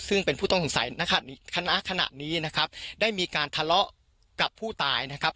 ซึ่งเป็นผู้ต้องสงสัยณขณะนี้คณะขณะนี้นะครับได้มีการทะเลาะกับผู้ตายนะครับ